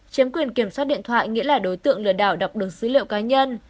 chiếm quyền kiểm soát điện thoại nghĩa là đối tượng lừa đảo đọc được dữ liệu cá nhân